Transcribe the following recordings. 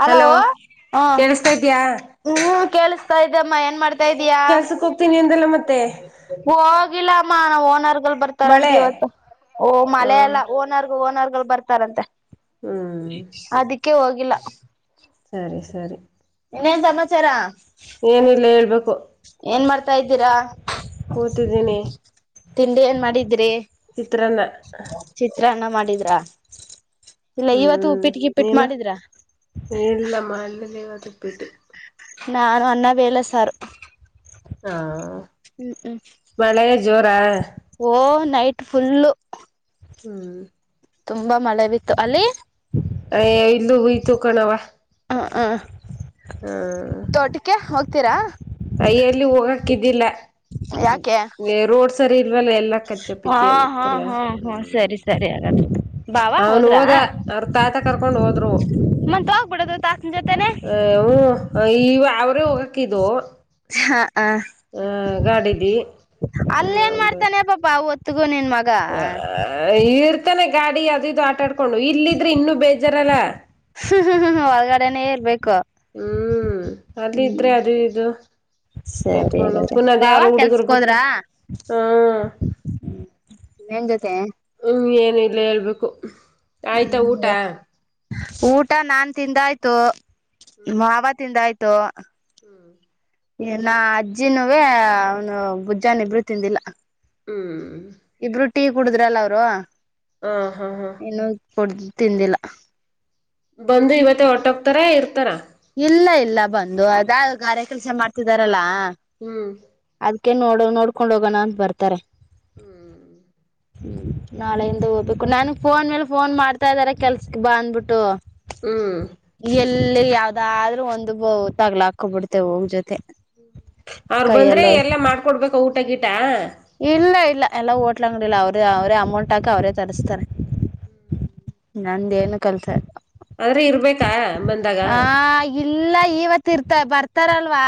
Hello ಹ ಕೇಳಿಸ್ತಾ ಇದ್ಯಾ ನೀ ಕ [unintelligible] ಸ [unintelligible] ಮ್ಮ ಏನ್ ಮಾಡ್ತಾ ಇದಯ ಕೆಲ್ಸಕ್ ಹೋಗ್ತೀನಿ ಅಂದಲ್ಲ ಮತ್ತೆ ಹೋಗಿಲ್ಲ ನಮ್ಮ ಓನರು ಬರ್ತಾರ ಮಳೆ ಇವತ್ತುಓ ಹ ಮಳೆಲ್ಲ ಓನರ್ಗು ಓನಾರ್ಗು ಬರ್ತಾರಂತೆ ಹ್ಮ್ ಕ್ಕೆ ಹೋಗಲ್ಲ ಸರಿ ಸರಿ ಇನ್ನೇನ್ ಸಮಾಚಾರ ಏನಿಲ್ಲ ಹೇಳ್ಬೇಕ ಏನ್ ಮಾಡ್ತಾ ಇದ್ದೀರಾ ಕೂತಿದ್ದೀನಿ ತಿಂಡಿಯ ಏನು ಮಾಡಿದ್ರಿ ತ್ರರನ್ನ ಚ ತ್ರನ್ನ ಮಾಡಿದ್ರಾ ಇಲ್ಲ ಇವತ್ತು ಹ್ಮ್ ಉಪ್ಪಿಟ್ ಗಿಪ್ಪಿಟ್ ನೀನು ಮಾಡಿದ್ರ ಇಲ್ಲ ಮಾಡ್ಲಿಲ್ಲ ಇವತ್ ಉಪ್ಪಿಟ್ಟು. ನಾನು ಅನ್ನ ಬೇಳೆ ಸಾರು. ಹಾ ಹ್ಮ್ ಹ್ಮ್ ಮಳೆ ಜೋರಾ ಓ ನೈಟ್ ಫುಲ್ಲು. ಹ್ಮ್ ತುಂಬಾ ಮಳೆ ಬಿತ್ತು ಅಲ್ಲಿ. ಹೆ ಇಲ್ಲೂ ಹುಯ್ತು ಕಣವಾ. ಹ್ಮ ಹ್ಮ ತೋಟುಕೆ ಹೋಗ್ ತ್ತೀರಾ. ಅಯ್ಯೋ ಇಲ್ಲಿ ಹೋಗಕ್ ಇದ್ದಿಲ್ಲ ಯಾಕೆ ರೋಡ್ ಸರಿ ಇಲ್ವಲ್ಲ ಎಲ್ಲಾ ಕಚ್ಚ ಹಾ ಪಿಚ್ಚಿ ಹಾ ಅಂತಲ್ಲ ಹಾ ಹಾ ಸರಿ ಸರಿ ಹಾಗಾದ್ರೆ. ಬಾವ ಅವನು ಹೋದ್ರ ಹೋದ ಅವ್ರ ತಾತ ಕರ್ಕೊಂಡ್ ಹೋದ್ರು ಮತ್ ಹೋಗ್ಬಿಡೋದು ತಾತನ್ ಜೊತೆನೆ ಅ ಹು. ಅಯ್ಯೋ ಅವ್ರೇ ಹೋಗಕೆ ಇದು. ಹಾ ಹ ಗಾಡಿದಿ ಅಲ್ಲೇಏನ್ ಮಾಡ್ತಾನೆ ಪಾಪ ಅವತ್ ಹ ಈರ್ ನೆ ಗಾಡಿ ಅದು ಇದು ಆಟ ಕೊಂಡು ಇಲ್ಲಿದ್ರೆ ಇನ್ನೂ ಬೇಜಾರಲ್ಲ. ಹೊಳಗಡೆನೇ ಇರ್ಬೇಕ ಹ್ಮ್ ಅಲ್ಲಿ ಇದ್ರೆ ಅದು ಇದು ಸರಿ ಎದ್ಕೊಂಡು ಹಾಗಾದ್ರೆ ಪುನಾದ್ ಬಾವ ಯಾರು ಹುಡುಗರ್ ಕೆಲ್ಸಕ್ ಹೋದ್ರಾ ಬರ್ತಾರ್ ಹ್ಮ ನಿನ್ ಜೊತೆ ಹ್ಮ. ಈಗ್ಲೇ ಹೇಳ್ಬೇಕು. ಆಯ್ತಾ ಊಟ. ಹ್ಮ್ ಊಟ ನಾನ್ ತಿಂದ ಆಯ್ತು. ಹ್ಮ್ ಮಾವ ತಿಂದಾಯ್ ತು. ಹ್ಮ್ ಇನ್ನ ಅಜ್ಜಿನುವೇ ಅವನು ಬುಜ್ಜಾನ ಇಬ್ರು ತಿಂದಿಲ್ಲ. ಹ್ಮ್ ಇಬ್ರು. ಟೀ ಕುಡುದ್ರಲ್ಲ ಅವರು. ಹ ಹಾ ಹಾ ಇನ್ನು ಕೊಡ್ ತಿಂದಿಲ್ಲ. ಬಂದು ಇವತ್ತೆ ಹೊಟ್ಟೋಗತಾರ ಇರ್ತಾರ. ಇಲ್ಲ ಇಲ್ಲ ಬಂದು ಅದ ಗಾರೆ ಕೆಲ್ಸ ಮಾಡ್ತಿದಾರಲ್ಲಾ. ಹ್ಮ್ ಅದ್ಕೆ ನೋಡ್ ನೋಡ್ಕೊಂಡ್ ಹೋಗೋಣ ಅಂತ ಬರ್ತಾರೆ. ಹ್ಮ್ ನಾಳೆಯಿಂದ ಹೋಗ್ಬೇಕು ನನ್ಗ್ ಫೋನ್ ಮೇಲೆ ಫೋನ್ ಮಾಡ್ತಾ ಇದಾರೆ ಕೆಲ್ಸಕ್ ಬಾ ಅಂದ್ಬಿಟ್ಟು. ಹ್ಮ ಎಲ್ಲಿ ಯಾವ್ ಅದ್ರೂ ಒಂದು ತಗ್ಲಾಕೊಬಿಡ್ತೆೇ ಹೋಗ್ ಜೊತಿ. ಅವ್ರ ಬಂದ್ರೆ ಎಲ್ಲಾ ಮಾಡ್ಕೊಡ್ಬೇಕಕ್ ಊ ಊಟಗಿಟಾ. ಇಲ್ಲ ಇಲ್ಲ ಎಲ್ಲ ಓಟ್ಲಂಗ್ಡಿಲಿ ಅವ್ರ ಅವ್ರೇ ಅಮೌಂಟ್ ಹಾಕಿ ಅವ್ರೇ ತರುಸ್ತಾರೆ ನಂದೇನು ಕೆಲ್ಸ ಇಲ್ಲ. ಆದ್ರೆ ಇರ್ಬೇಕಾ ಬಂದಾಗ. ಆ ಇಲ್ಲ ಇವತ್ ಇರ್ತ ಬರ್ತಾರಲ್ವಾ.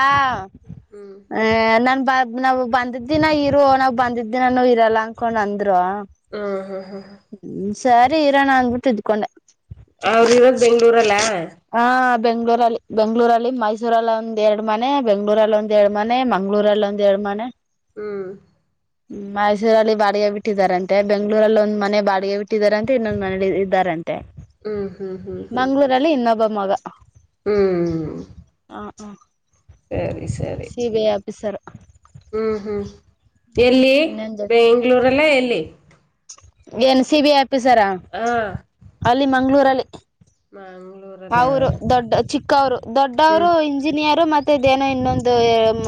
ಹ್ಮ್ ಆ ನನ್ ನಾವು ಬಂದದಿನ ಇರು. ನಾವ್ ಬಂದಿದ್ದಿನ ನಾನು ಇರಲ್ಲ ಅನ್ಕೊಂಡ್ ಅಂದ್ರು. ಹ್ಮ ಹಾ ಹ್ಮ ಹಾ ಹ್ಮ್ ಸರಿ ಇರೋಣ ಅಂದ್ಬಿಟ್ಟು ಇದ್ಕೊಂಡೆ. ಅವ್ರ ಇರೋದ ಬೆಂಗ್ಳೂರಲ್ಲ. ಬೆಂಗಳೂರಲ್ಲಿ ಬೆಂಗಳೂರಲ್ಲಿ ಮೈಸೂರಲ್ಲಿ ಒಂದ್ ಎರಡ್ ಮನೆ ಬೆಂಗಳೂರಲ್ಲಿ ಒಂದ್ ಎರಡ್ ಮನೆ ಮಂಗಳೂರಲ್ಲಿ ಒಂದ್ ಎರಡು ಮನೆ. ಹ್ಮ್ ಮೈಸೂರಲ್ಲಿ ಬಾಡಿಗೆ ಬಿಟ್ಟಿದಾರಂತೆ ಬೆಂಗಗಳೂರಲ್ಲಿ ಒಂದ್ ಮನೆ ಬಾಡಿಗೆ ಬಿಟ್ಟಾರಂತೆ ಇನ್ನೊಂದ್ ಮನಲಿ ಇದ್ದಾರ ತೆ ಹ್ಮ್ ಹ್ಮ್ ಹ್ಮ್ ಹ್ಮ್ ಮಂಗಳೂರಿನಲ್ಲಿ ಇನ್ನೊಬ್ಬ. ಮಗ. ಹ್ಮ್ ಹಾ ಹಾ ಸರಿ ಸರಿ. ಹ ಹ್ಮ್ ಹ್ಮ್ ಎಲ್ಲಿ ಇನ್ನೊಂದ ಬೆಂಗಳೂರ್ ಎಲ್ಲ ಎಲ್ಲಿ. ಎನ್ ಸಿಬಿ ಆಫ್ ಸರ ಹಾ ಅಲ್ಲಿ ಮ ಮಂಗ್ಳುರಲ್ಲಿ. ಮ ಅವರು ದೊಡ್ಡ ಚಿಕ್ಕವರು ಹ್ಮ್ ದೊಡ್ಡವ್ರು ಇಂಜಿನಿಯರು ಮತ್ತೆ ಇದೇನೋ ಇನ್ನೊಂದು.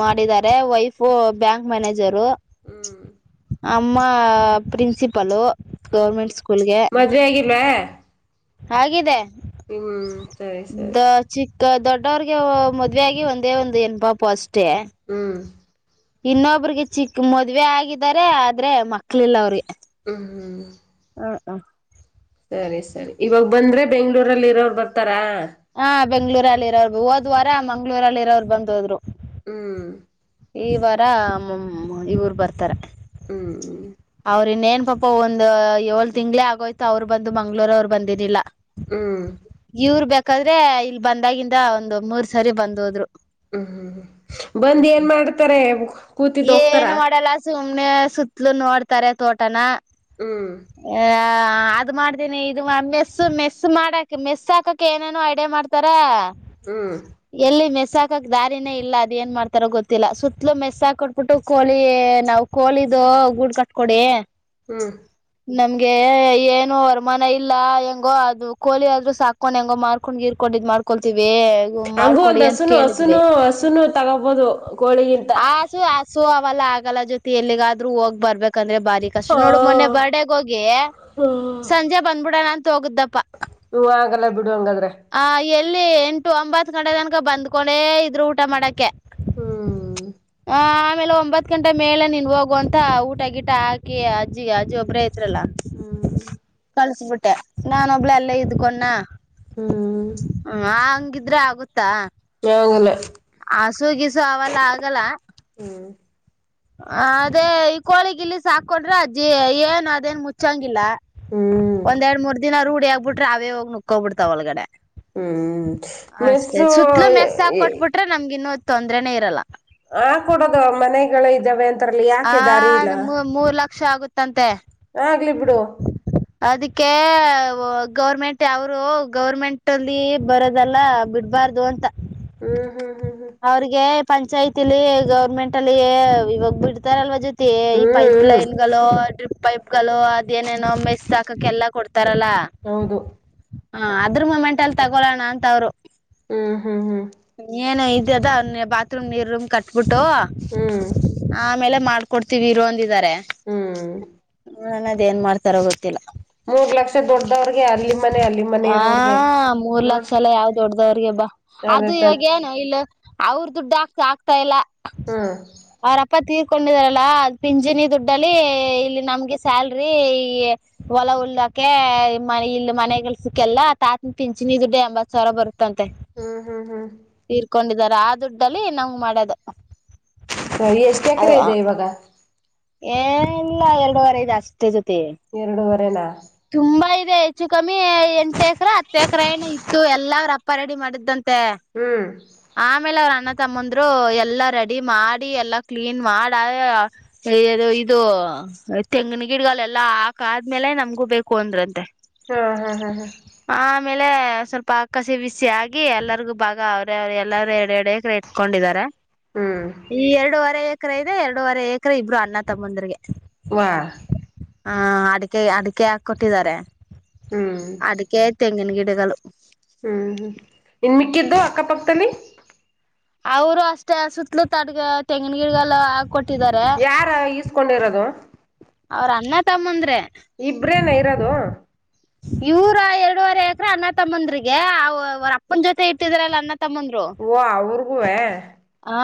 ಮಾಡಿದ್ದಾರೆ ವೈಫ್ ಬ್ಯಾಂಕ್ ಮ್ಯಾನೇಜರ್ ಜರೋ. ಹ್ಮ್ ಅಮ್ಮ ಪ್ರಿನ್ಸಿಪಲ್ಲು. ಹ್ಮ್ ಹ್ಮ್ ಗೌರ್ಮೆಂಟ್ ಸ್ಕೂಲ್ಗೆ. ಮದ್ವೆ ಆಗಿಲ್ವಾ ಅಗಿದೆ. ಹ್ಮ್ ಸರಿ ಸರಿ. ಚಿಕ್ಕ ದೊಡ್ಡವ್ರಿಗೆ ಮದುವೆ ಆಗಿ ಒಂದೇ ಒಂದು ಹೆಣ್ಣು ಪಾಪು ಅಷ್ಟ ಟೆ. ಹ್ಮ್ ಇನ್ನೊಬ್ರಿಗೆ ಚಿಕ್ ಮದ್ವೆ ಆಗಿದಿದ್ದಾರೆ ಆದ್ರೆ ಮಕ್ಳಿಲ್ಲ ಅವ್ರಿಗೆ. ಹ್ಮ್ ಹಾ ಹಾ ಸರಿ ಸರಿ ಇವಾಗ ಬಂದ್ರೆ ಬೆಂಗಳೂರಲ್ಲಿ ಇರೋರು ಬರ್ತಾರಾ. ಹ ಬೆಂಗ್ಳೂರಲ್ಲಿ ಇರೋರು ಹೊದ್ ವಾರ ಮಂಗ್ಗಳೂರಲ್ಲಿ ಇರೋರು ಬಂದ ಹೋದ್ರು. ಹ್ಮ್ ಈ ವಾರ ಇವರು ಬರ್ತಾರೆ. ಹ್ಮ್ ಹ್ಮ್ ಅವ್ರ ಇನ್ನೇನ್ ಪಾಪ ಒಂದ್ ಏಳ್ ತಿಂಗ್ಳೇ ಆಗೋಯ್ತು ಅವ್ರು ಬಂದು ಮಂಗ್ಗಳೂರ್ ಅವ್ರು ಬಂದಿರಲಿಲ್ಲ. ಹ್ಮ್ ಇವ್ರ ಬೆಕ್ ಕದ್ರೆ ಇಲ್ ಬಂದಾಗಿಂದ ಒಂದ್ ಮೂರ್ ಸರಿ ಬಂದ್ ಹೋದ್ರು. ಹ್ಮ್ ಹ್ಮ್ ಬಂದ್ ಏನ್ ಮಾಡ್ ತರೆ. ಏನು ಮಾಡಲ್ಲ ಸು ಸುಮ್ನೆ ಸುತ್ಲೂ ನೋಡ್ತಾರೆ ತೋಟನ. ಹ್ಮ್ ಹ ಹ ಅದ್ ಮಾಡ್ತೇನಿ ಇದು ಮೆಸ್ ಮೆಸ್ ಮಾಡಕ್ ಮೆಸ್ ಹಾಕಕ್ ಏನೇನು ಐಡಿಯಾ ಮಾಡ್ತಾರ. ಹ್ಮ್ ಎಲ್ಲಿ ಮೆಸ್. ಸಾಕಕ್ ದಾರಿನೇ ಇಲ್ಲ ಅದ ಏನ್ ಮಾಡ್ತಾರೋ ಗೊತ್ತಿಲ್ಲ ಸುತ್ತಲ ಮೆಸಾಕ್ ಕೊಟ್ಬಿಟ್ಟು ಕೋಳಿ ನಾವು ಕೋಳಿದು ಗೂಡ್ ಕಟ್ಕೊಡಿ. ಹ್ಮ ನಮ್ಗೆ ಏನು ವರಮಾನ ಇಲ್ಲ ಹೆಂಗೋ ಅದು ಕೋಳಿ ಆದ್ರರ ಸಾಕೊಂಡ್ ಹೆಂಗೋ ಮಾರ್ಕೊಂಡ್ ಗಿರ್ಕೊಂಡಿ ಇದ್ ಮಾಡ್ಕೊಳ್ತೀವಿ. ಹಂಗು ಮಾಡ್ಕೊಡಿ ಒಂದ್ ಅಂತ ಹಸುನು ಕೇಳಿದ್ವಿ ಹಸುನು ಹಸುನು ತಗೋಬೋದು ಕೋಳಿಗಿಂತ. ಹಸು ಅವಲ್ಲ ಆಗಲ್ಲ ಜೊತಿ ಎಲ್ಲಿಗಾದ್ರೂ ಹೋಗ್ ಬರ್ಬೇಕಂದ್ರೆ. ಬಾರಿ ಹ ಕಷ್ಟ ನೋಡು ಮೊನ್ನೆ ಬರ್ಡೆಗ ಹೋಗಿ ಹ್ಮ್ ಸಂಜೆ ಬಂದಬಿಡ್ತೀನಿ ಅಂತ್ ಹೂ ಆಗಲ್ಲ ಬಿಡು ಹಂಗಾದ್ರೆ. ಅಲ್ಲಿ ಎಂಟು ಒಂಬತ್ ಗಂಟೆ ತನಕ ಬಂದ್ಕೊಂಡೆ ಇದ್ರು ಊಟ ಮಾಡಕೆ. ಹ್ಮ್ ಹ ಆಮೇಲೆ ಒಂಬತ್ ಗಂಟೆ ಮೇಲೆ ನೀನ್ ಹೋಗು ಅಂತ ಊಟ ಗಿಟ ಹಾಕಿ ಅಜ್ಜಿಗೆ ಅಜ್ಜಿ ಒಬ್ರೇ ಇದ್ರಲ್ಲ ಹ್ಮ್ ಕಳ್ಸಬಿಟ್ಟೆ ನಾನೊಬ್ಳ ಅಲ್ಲೇ ಇಡ್ಕೊಂಡ್ನ. ಹ್ಮ್ ಹ ಹಂಗಿದ್ರೆ ಆಗುತ್ತಾ? [unintelligible] ಹಸು ಗಿಸು ಅವೆಲ್ಲ ಆಗಲ್ಲ. ಹ್ಮ್ ಅದೇ ಈ ಕೋಳಿಗ ಇಲ್ಲಿ ಸಾಕೊಂಡ್ರೆ, ಅಜ್ಜಿ ಏನ್ ಅದೇನ್ ಮುಚ್ಚಂಗಿಲ್ಲ. ಹ್ಮ್ ಒಂದ್ ಎರಡ್ ಮೂರ್ ದಿನ ರೂಢಿ ಆಗ್ಬಿಟ್ರೆ ಅವೇ ಹೋಗಿ ನುಕ್ಕೊಬಿಡ್ತಾವೆ ಒಳಗಡೆ. ಹ್ಮ್ ಅಷ್ಟೇ, ಮೆಸ್ಸು ಸುುತ್ಲು ಮೆಸ್ಸ ಹಾಕ ಕೊಟ್ಬಿಟ್ರೆ ನಮ್ಗ ಇನ್ನು ತೊಂದ್ರೆನೇ ಇರಲ್ಲ. ಆ ಕೊಡದು ಮನೆಗಳು ಇದ್ದಾವೆ ಅಂತ. ಹಾ ನಮ್ ಮೂರ್ ಮೂರ್ ಲಕ್ಷ ಆಗುತ್ತೆ. ತಂತೆ ಗ್ಲಿ ಬಿಡು. ಅದಕ್ಕೆ ಅವ್ ಗೌರ್ಮೆಂಟ್ ಅವರು ಗೌರ್ಮೆಂಟ್ ಅಲ್ಲಿ ಬರೋದಲ್ಲ ಬಿಡ್ಬಾರ್ದು ಅಂತ. ಹ್ಮ್ ಹ್ಮ್ ಅವ್ರಿಗೆ ಪಂಚಾಯತಿಲಿ ಗೌರ್ಮೆಂಟ್ ಅಲ್ಲಿ ಇವಾಗ ಬಿಡ್ತಾರಲ್ವ ಜೊತ್ ಹ್ಮ್ ಈ ಪೈಪ್ ಹ್ಮ್ ಹ್ಮ್ ಹ್ಮ್ ಲೈನ್ ಗಳು, ಡ್ರಿಪ್ ಪೈಪ್ [unintelligible] ಅದೇನೇನೋ ಮೆಸ್ ಆಕಕ್ ಎಲ್ಲ ಕೊಡ್ತ್ ಉತ್ತರಲ. ಹೌದು ಹ ಅದ್ರ ಮುಮೆಂಟ್ ಅಲ್ಲಿ ತಗೋಳಣ ಅಂತ ಅವ್ರು. ಹ್ಮ್ ಹ್ಮ್ ಹ್ಮ್ [unintelligible] ಬಾತ್ತ್ರೂಮ ನೀರ್ ರೂಮ ಕಟ್ಬಿಟ್ ಟೋ ಹ ಹ್ಮ್ ಆಮೇಲೆ ಮಾಡ್ಕೊತೀವಿ ಇರೋ ಅಂದಿದ್ದು. ಇದಾರೆ. ಹ್ಮ್ ನೋಡಣ ಅದ ಏನ್ ಮಾಡ್ತಾರ ಗೊ ಗೊತ್ತಿಲ್ಲ. ಮೂರ್ ಲಕ್ಷ ದೊಡ್ಡದವ್ರಗೆ ಅಲ್ಲಿ ಮನೆ ಅಲ್ಲಿ ಮನೆ ಆ ಇರೋವ್ರಗೆ ಮೂರ್ ಲಕ್ಷ ನೋಡ್ ಸಲ ಯಾವ್ದ ದಡ್ದವ್ರಿಗೆ ಬಾ, ಅದೇ ಅದು ತಾನ ಇವಾಗ ಏನು ಇಲ್ಲ ಅವ್ರ ದುಡ್ಡು ಆಕ್ತಾ ಆಗ್ತಾ ಇಲ್ಲ. ಹ್ಮ್ ಅವರಪ್ಪ ತೀರ್ ಕೊಂಡಿದಾರಲ್ಲಾ ಪಿಂಚಣಿ ದುಡ್ಡಲ್ಲಿ ಇಲ್ಲಿ ನಮ್ಗೆ ಸ್ಯಾಲ್ರಿ, ಈ ಹೊಲ ಉಲ್ಲಕೆ ಮನೆ ಇಲ್ ಮನೆಗೆಲ್ಸಕ್ಕೆಲ್ಲ ತಾತನ ಪಿಂಚಣಿ ದುಡ್ಡ ಎಂಬತ್ ಸಾವಿರ ಬರುತ್ತೆ. ತಂತೆ ಹ್ಮ್ ಹ್ಮ್ ಹ್ಮ್ ತೀರ್ಕೊಂಡ ಆ ದುಡ್ಡಲ್ಲಿ ನಂಗ್ ಮಾಡೋದು. ಹು ಎಷ್ಟ ಎಕರೆ ಇದೆ ಇವಾಗ? ಏ ಎಲ್ಲ ಎರಡೂವರೆ ಇದೆ ಅಶ್ ಎರಡೂವರೆನಾ? ತುಂಬಾ ಇದೆ ಹೆಚ್ಚು ಕಮ್ಮಿ ಎಂಟು ಎಕ್ರ, ಹತ್ತು ಎಕ್ರ ಏನು ಇತ್ತು, ಎಲ್ಲ ಅವ್ರ್ ಅಪ್ಪ ರೆಡಿ ಮಾಡಿದ್ದಂತ್ ತೆ, ಹ್ಮ್ ಆಮೇಲೆ ಅವರ ಅಣ್ಣ ತಮ್ಮಂದರು ಎಲ್ಲಾ ರೆಡಿ ಮಾಡಿ ಎಲ್ಲಾ ಕ್ಲೀನ್ ಮಾಡ ಇದು ತೆಂಗಿನ ಗಿಡ್ ಎಲ್ಲಾ ಹಾಕ ಆದ್ಮೇಲೆ ನಮ್ಗು. ಬೇಕು ಅಂದ್ರಂತೆ. ಹ್ಮ ಹಾ ಹಾ ಹಾ ಆಮೇಲೆ ಸ್ವಲ್ಪ ಅಕ್ಕಸಿ ಬಿಸಿ ಆಗಿ ಎಲ್ಲರಿಗು ಬಾಗ ಅವ ಎಲ್ಲಾರೂ ಎರಡೆ ಎಡ ಎಕ್ಕರೆ ಇತ್ಕೊಂಡಿದ್ದಾರೆ ಹ್ಮ್ ಈ ಎರಡುವರೆ ಎಕ್ರ ಇದೆ ಎರೂವರೆ ಎಕರೆ ಇಬ್ಬರು ಅಣ್ಣ ತಮ್ಮಂದರಿಗೆ. ವಾಹ. ಹ ಅಡಿಕೆ ಅಡಿಕೆ ಆ ಕೊಟ್ಟಿದ್ದಾರೆ ಹ್ಮ್ ಅದಕ್ಕೆೇ ತೆಂಗಿನ ಗಿಡ ಗಳು ಹ್ಮ್ ಹ್ಮ ಇನ್ ಮಿಕ್ಕಿದ್ದು ಅಕ್ಕಪಕ್ಕದಲ್ಲಿ. ಅವರು ಅಷ್ಟೇ ಸುತ್ತಲ ತಟಕ. ತೆಂಗ ಗಿಡಗಲ್ಲ ಯಾರ ಈಸ್ಕೊಂಡಿರೋದು. ಅವ್ರ ಅಣ್ಣ ತಮ್ಮಂದ್ರೆ. ಇಬ್ರೇನ ಇರೋದು ಇವರ ಎರಡೂುವರೆ ಎಕ್ರ ಅಣ್ಣ ತಮ್ಮಂದಿರಿಗ್ ಅವರ ಅಪ್ಪನ ಜೊತೆ ಇಟ್ಟಿದ್ರಲ್ಲ ಅಣ್ಣ ತಮ್ಮಂದ್ರು ಓ ಅವರುಗುವೇ. ಹಾ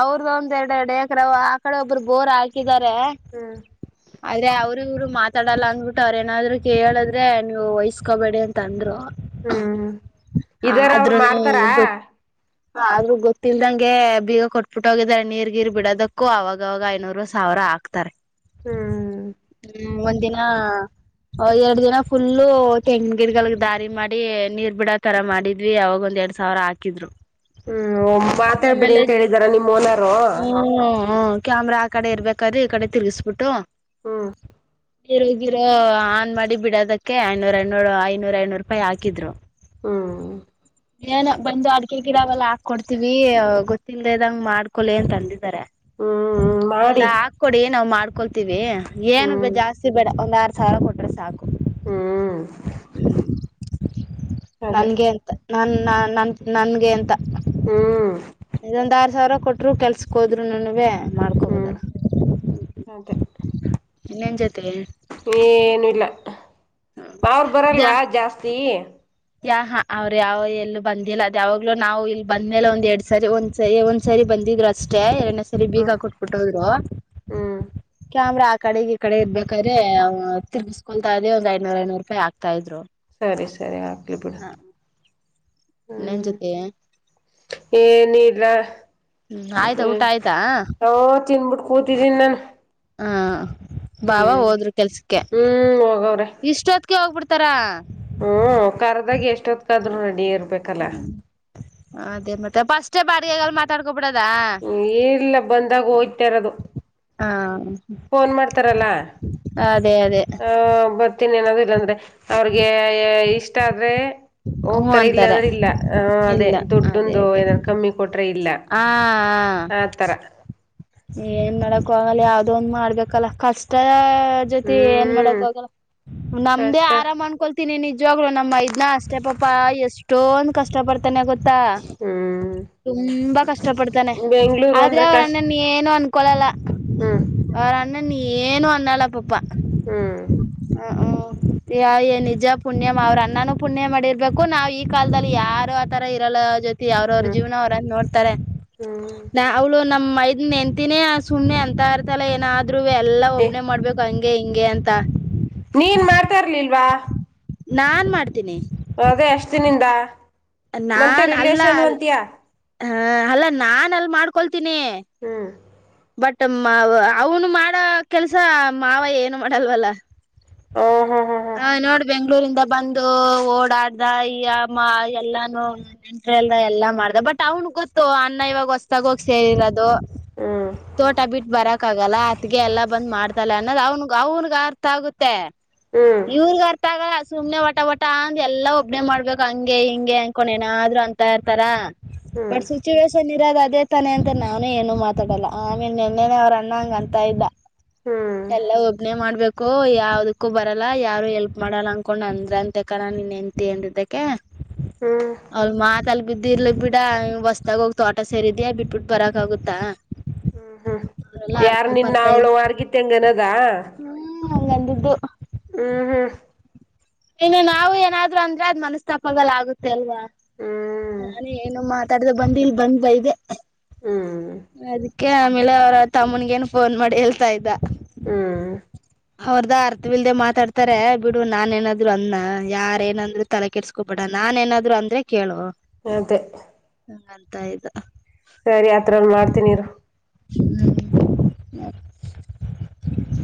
ಅವ್ರದ ಒಂದ್ ಎರಡು ಎರಡು ಎಕ್ರ ಆ ಕಡೆ ಒಬ್ಬರು ಬೋರ್ ಹಾಕಿದ. ಹ್ಮ್ ಆದ್ರೆ ಅವ್ರ ಇವರು. ಮಾತಾಡಲ್ಲ ಅಂದ್ಬಿಟ್ಟು ಅವ್ರ ಏನಾದ್ರು ಕೇಳಿದ್ರೆ. ಅದೇ ನೀವು ವಯಸ್ಕೋಬೇಡಿ ಅಂತ ಅಂದ್ರು ಹ್ಮ್ ಇದಾರ ಅವರು ಆದ್ರೂನು ಮಾಡ್ತಾರಾ. ಗೊತ್ತ ಆದ್ರೂ ಗೊತ್ತಿಲ್ದಂಗೆ ಬೀಗ ಕೊಟ್ಬಿಟ್ಟ ಹೋಗಿದ್ದಾರೆ ನೀರ್ ಗೀರ್ ಬಿಡೋದಕ್ಕೂ ಅವಾಗವಾಗ ಐನೂರು ಸಾವಿರ ಹಾಕ್ತಾರೆ ಹ್ಮ್ ಒಂದ್ ದಿನ ಎರಡ್ ದಿನ ಫುಲ್ಲು ತೆಂಗ ಗಿಡಗಳ ದಾರಿ ಮಾಡಿ ನೀರ್ ಬಿಡ ತರ ಮಾಡಿದ್ವಿ ಅವಾಗ ಒಂದ್ ಎರಡ್ ಸಾವಿರ ಹಾಕಿದ್ರು ಹ್ಮ್ ಮಾತಾಡ್ಬೇಡಿ ಆಮೇಲೆ ಅಂತ ಹೇಳಿದಾರ ನಿಮ್ ಹೋನರು. ಹ್ಮ ಕ್ಯಾಮ್ರಾ ಆ ಕಡೆ ಇರ್ಬೇಕಾದ್ರೆ ಈ ಕಡೆ ತ ತಿರುಗಿಸ್ಬಿಟ್ಟು. ಹಾ ನೀರುಗಿರೋ ಆನ್ ಮಾಡಿ ಬಿಡೋದಕ್ಕೆ ಐನೂರ ಐನೂರು ಐನೂರ ಐನೂರು ರೂಪಾಯಿ ಹಾಕಿದ್ರು ಹ್ಮ್ ಏನ ಬಂದು ಆಡ್ ಗಿಡಾವೆಲ್ಲ ಹಾಕ ಕೊಡ್ತೀವಿ. ಗೊತ್ತಿಲ್ಲಲ್ದ ಇದದಂಗ್ ಮಾಡ್ಕೊೊಳ್ಳ ಅಂತ ಅಂದಿದ್ದಾರೆ ಹ್ಮ್ ಎಲ್ಲ ಮಾಡಿ ಹಾಕೊಡಿ. ನಾವ್ ಮಾಡ್ಕೊಳ್ತೀವಿ ಏನು ಬ ಹ್ಮ್ ಜಾಸ್ತಿ ಬೇಡ ಒಂದ್ ಆ ಸಾಲ ಕೊಟ್ರೆ ಸಾಕು. ಹ್ಮ್ ಅದೇ ನನ್ಗೆ ಅಂತ. ನಮ್ ನಾ ನಮ್ಗೆ. ನನ್ಗೆ ಅಂತ. ಹ್ಮ್ ಇದೊಂದ್ ಆರ್ ಸಾವಿರ ಕೊಟ್ರು ಕೆಲ್ಸಕ್ ಹೋದ್ರುನುನುವೇ. ಹ್ಮ್ ಅದೆ. ಇನ್ನೇನ್ ಜೊತಿ. ಏನು ಇಲ್ಲ. ಅವ್ರ ಬರಲ್ವಾ ಜಾಸ್ತಿ. ಯಾ ಹಾ ಅವ್ರು ಯಾವ ಎಲ್ಲ ಬಂದಿಲ್ಲ ಅದ ಯಾವಾಗಲೂ ನಾವು ಇಲ್ ಬಂದ್ಮೇಲೆ ಒಂದ್ ಎರಡ್ ಸಾರಿ ಒಂದ್ ಸರಿ ಒಂದ್ಸರಿ ಬಂದಿದ್ರು. ಅಷ್ಟೇ ಎರುಡ್ನೆ ಸರಿ ಹ್ಮ್ ಬೀಗ ಕೊಟ್ಬಿಟ್ಟ ಹೋದ್ರು. ಹ್ಮ್ ಕ್ಯಾಮ್ರಾ ಆ ಕಡೆಗೆ ಈ ಕಡೆ ಇರ್ಬೇಕಾದ್ರೆ ತಿರ್ಸ್ಕೊತಾ ಇದ್ದೆ ಒಂದು ಐನೂರ ಐನೂರು ರೂಪಾಯಿ ಹಾಕ್ತಾ ಇದ್ರು. ಸರಿ ಸರಿ. ಲಿ ಬಿಡು. ಇನ್ನೇನ್ ಜೊತಿ. ಏನು ಇಲ್ಲ. ಹ್ಮ್ ಆಯ್ತಾ ಊಟ ಆಯ್ತಾ. ಕೂತಿದಿನಿ ನಾನು. ಹ ಬಾವ ಹ್ಮ್ ಹೋದ್ರು ಕೆಲ್ಸಕ್ಕೆ ಹ್ಮ್ ಇಷ್ ಕ್ಕೆ ಹೋಗ್ಬಿಡ್ತಾರಾ. ಹ್ಮ ಕರ್ದಾಗ ಎಷ್ಟೊತ್ಕಾದ್ರ ರೆಡಿಯರ್ ಬೆಕಲ. ಅದೇ ಮತ್ತೆ ಫಸ್ಟ ಬಾಡಿಗೆಗಳ ಮಾತಾಡ್ಕೋ ಇ ಇಲ್ಲ ಬಂದಾಗ ಹೋಯ್ತ ಇರದು. ಹಾ ಫೋನ್ ಮಾಡ್ತಾರಲ್ಲ ಅದೇ ಅದೇ ಆ ಬರ್ತೀನಿ ಅನ್ನದು ಇಲ್ಲಂದ್ರೆ ಅವ್ರಿಗೆ ಇಷ್ಟ ಆದ್ರೆ. ಹ್ಮ ಹೋಗ್ತಾರೆ ಇಲ್ಲ ಅಂತಾರೆ ಅಂದ್ರೆ ಇಲ್ಲ ಹ ಅದೇ ಇಲ್ಲ ದುಡ್ಡಂದು ಏನಾದರು ಕಮ್ಮಿ ಕೊಟ್ರೆ ಇಲ್ಲ. ಹ ಹ. ಆತರ ಏನ್ ಮಾಡಕ್ ಆಗಲ್ಲ ಯಾವ್ದೋ ಒಂದ್ ಮಾಡ್ಬೇಕಲ್ಲ ಕಷ್ಟ. ಜೊತಿ ಏನ್ ಹ್ಮ್ ಮಾಡಕ್ ಆಗಲ್ಲ ನಮ್ದೇ ಕಷ್ಟ ಆರಾಮ್ ಅನ್ಕೊಳ್ತೀನಿ ನಿಜವಾಗ್ಲು ನಮ್ಮ ಮೈದ್ನ ಅಷ್ಟೆ ಪ ಪ್ಪಾ ಎಷ್ಟೊಂದ ಕಷ್ಟ ಪಡ್ತಾನೆ ಗೊತ್ ತ್ತ ಹ್ಮ್ ತುಂಬಾ ಕಷ್ಟ ಪಡ್ತಾನೆ ಬೆಂಗ್ಳೂರು ಆದ್ರೆ ಅಂದ್ರೆ ಕಷ್ಟ ಅವರಣ್ಣ ಏನು ಅನ್ಕೊಳಲ್ಲ. ಹ್ಮ್ ಅವ್ರ ಅಣ್ಣನ್ ಏನು ಅನ್ನಲಾ ಪಪಾ. ಹ್ಮ್ ಹ್ಮ ಯ ನಿಜ ಪುಣ್ಯ ಅವ್ರ ಅಣ್ಣನೂ ಪುಣ್ಯ ಮಾಡಿರ್ಬೇಕು ನಾವ್ ಈ ಕಾಲದಲ್ಲಿ ಯಾರು ಆತರ ಇರಲ್ಲ ಜೊ ತಿ ಅವ್ರವ್ರ ಹ್ಮ್ ಜೀವನ ಅವರನ್ನ ನೋಡ್ತಾರೆ ನ ಅವಳು ನಮ್ ಮೈ ಹೆಂಡ್ತಿನೆಯ ಆ ಸುಮ್ನೆ ಅಂತ ಇರ್ತಾಳೆ ಏನದಾರು. ಇದ್ರು ಎಲ್ಲ ಹ್ಮ್ ಒಬ್ನೇ ಮಾಡ್ಬೇಕು ಹ ಹಂಗೆ ಹಿಂಗೆ ಅಂತ. ವಾಹ್ ನಾನ್ ಮಾಡ್ತೀನಿ. ಅದ ಎಷ್ಟದಿನಿಂದ. ನಾನ್ಅಲ್ಲ ಅ ಹಾ ಅಲ್ಲಾ ನಾನ್ ಅಲ್ ಮಾಡ್ಕೊಲ್ ತ್ತಿನಿ. ಹ್ಮ್ ಬಟ್ ಮಾವ ಅವನು ಮಾಡ ಕೆಲ್ಸ ಮಾವ ಏನು ಮಾಡಲ್ವಲ್ಲ. ಹಾ ನೋಡ್ಬಂಗ ಳೂರಿಂದ ಬಂದು ಓಡಾಡ್ದ ಈಮ್ಮ ಎಲ್ಲಾನ ನೆಂಟ್ರಲ್ದ ಎಲ್ಲಾ ಮಾಡ್ದ ಬಟ್ ಅವ್ನ್ ಗೊತ್ತು ಅನ್ನ ಇವಾಗ ಹೊಸತಾಗೋಗ್ ಸೇರಿರೋದು. ಹ್ಮ್ ತೋಟ ಬಿಟ್ಟ ಬರಕ್ ಆಗಲ್ಲ ಅತ್ಗೆ ಎಲ್ಲ ಬಂದ್ ಮಾಡ್ತಲ್ಲ ಅನ್ನೋದು ಅವ್ನ್ಗ್ ಅವ್ನ್ಗ ಅರ್ಥ ಆಗುತ್ತೆ. ಹ್ಮ್ ಇವ್ರಗೇ ಅರ್ಥ ಆಗಲ್ಲ. ಸುಮ್ನೆ ಒಟ ಒಟ ಅಂದ ಎಲ್ಲಾ ಒಬ್ನೇ ಮಾಡ್ಬೇಕು ಹಂಗೆ ಹಿಂಗೆ ಅನ್ಕೊಂಡ ಏನಾದ್ರು ಅಂತ ಇರ್ತಾರ. ಹ್ಮ್ ಬಟ್ ಸಿಚುವೇಷನ್ ಅದೇ ತಾನೆ ಅಂತ ನಾನು ಏನು ಮಾತ ತಡಲ್ಲ ಆಮೇನ್ ನೆನ್ನೆನೆ ಅವ್ರ ಅಣ್ಣ ಹಂಗ ಅಂತ ಇದ್ದ. ಹ್ಮ್ ಎಲ್ಲಾ ಒಬ್ಬನೇ ಮಾಡ್ಬೇಕು. ಕು ಯಾವುದಕ್ಕೂ ಬರಲ್ಲ ಯಾರು ಎಲ್ಪ್ ಮಾಡಲ್ಲ ಅಂದಕೊಂಡು ಅಂದ್ರ ಅಂತಕಾನ ನೀನ್ನ ಹೆಂತ ಅಂದಿದ್ದಕ್ಕೆ. ಹ್ಮ್ ಅವ್ರ ಮಾತಲ್ ಬಿದ್ದಿ ಇರ್ಲಿ ಬಿಡ ಹೊಸ್ದಾಗ ಹೋಗಿ ತೋಟ ಸೇರಿದ್ಯಾ ಬಿಟ್ಬಿಟ್ಟು ಬರಕ್ ಆಗುತ್ತಾ. ಹ್ಮ್ ಹ್ಮ್ ಅವರೆಲ್ಲ ಯಾರ್ ಅರ್ಥ ನಿನ್ ಬರ್ತಾ ಅವಳ ಇಲ್ಲ ವರ್ಗಿತ್ತಿ ಅನ್ನದ. ಹ್ಮ್ ಹಂಗಂದಿದ್ದು. ಹ್ಮ್ ಹ್ಮ್ ಇನ್ನು ನಾವು ಏನಾದ್ರು ಅಂದ್ರೆದ್ ಮನಸ್ತಾಪಲ್ಲ ಆಗುತ್ತೆ ಅಲ್ವಾ. ಹ್ಮ್ ನಾನ ಏನು ಮಾಡತ ತಡೆದ ಬಂದ ಇಲ್ ಬಂದ್ ಬೈದೆ. ಹ್ಮ್ ಹ್ಮ್ ಅದ. ಕೆ ಆಮೇಲೆ ಅವ್ರ ತಮ್ಮನ್ಗೇನ್ ಫೋನ್ ಮಾಡಿ ಹೇಳ್ತಾ ಇದ್ದ. ಹ್ಮ್ ಅವ್ರದ ಅರ್ಥವಿಲ್ದೇ ಮಾತಾಡ್ತಾರೆ ಬಿಡು ನಾನೇನ್ ಏನಾದ ರು ಅಂದ್ನ ಯಾರ ಏನಂದ್ರು ತಲೆ ಕೆಡ್ಸ್ಕೊಬೇಡ ನಾನ್ ಏನಾದ್ರು ಅಂದ್ರೆ ಕೇಳೊ. ಅದೇ. ಅಂತ ಇದ್ದ. ಸರಿ ಆತ್ರನ್ ಮಾಡ್ತನಿರು. ಹ್ಮ